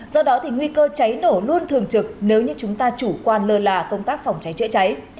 do đó thì nguy cơ cháy nổ luôn thường trực nếu như chúng ta chủ quan lơ là công tác phòng cháy chữa cháy